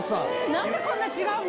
何でこんな違うの？